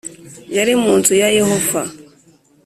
yari mu nzu ya Yehova